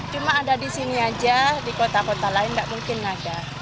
cuma ada di sini aja di kota kota lain tidak mungkin ada